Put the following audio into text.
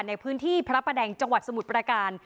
ในพื้นที่พระประแดงจังหวัดสมุทรประการ